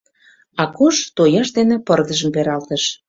Акош тояж дене пырдыжым пералтыш.